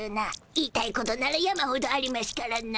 言いたいことなら山ほどありましゅからな。